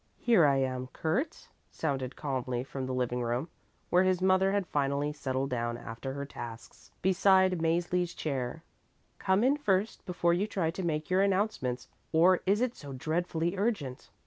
"Here I am, Kurt," sounded calmly from the living room, where his mother had finally settled down after her tasks, beside Mäzli's chair. "Come in first before you try to make your announcements; or is it so dreadfully urgent?"